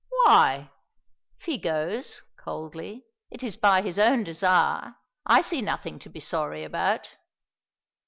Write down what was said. "Why? If he goes" coldly "it is by his own desire. I see nothing to be sorry about."